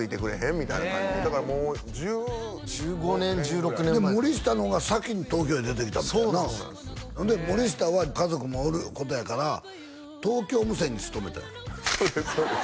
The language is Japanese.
みたいな感じでだからもう１０１５年１６年前で森下の方が先に東京へ出てきたみたいやなそうなんすよで森下は家族もおることやから東京無線に勤めたんやそうですそうです